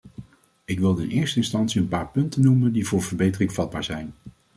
Ik wilde in eerste instantie een paar punten noemen die voor verbetering vatbaar zijn.